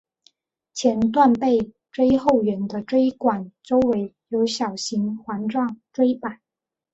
前段背椎后缘的椎管周围有小型环状椎版。